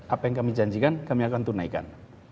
apa yang kami janjikan kami akan tunaikan